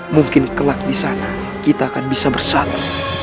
mungkin kelak di sana kita akan bisa bersatu